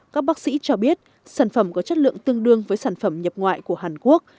các bác sĩ cho biết sản phẩm có chất lượng tương đương với sản phẩm nhập ngoại của hàn quốc